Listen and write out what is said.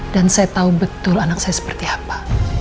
dan saya tahu betul anak saya seperti apa